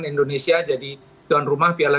indonesia jadi tuan rumah piala